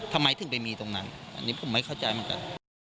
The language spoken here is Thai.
ทำไมถึงไปมีตรงนั้นอันนี้ผมไม่เข้าใจเหมือนกัน